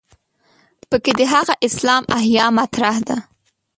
په کې د هغه اسلام احیا مطرح ده.